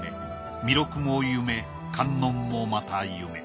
弥勒も夢観音もまた夢。